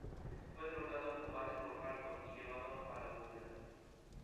Fue derrotado en combate por Falcon, y llevado a la Bóveda.